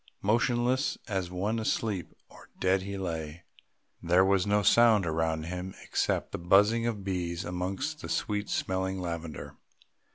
Motionless as one asleep or dead he lay. There was no sound around him except the buzzing of bees amongst the sweet smelling lavender.